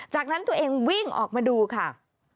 จากนั้นตัวเองวิ่งออกมาดูค่ะ